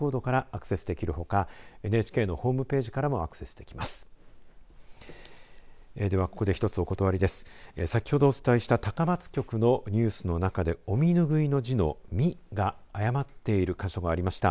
先ほどお伝えした高松局のニュースの中でお身ぬぐいの字の身が誤っている箇所がありました。